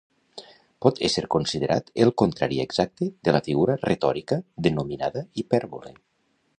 Pot ésser considerat el contrari exacte de la figura retòrica denominada hipèrbole.